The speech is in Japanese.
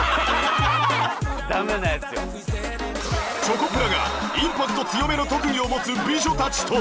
チョコプラがインパクト強めの特技を持つ美女たちと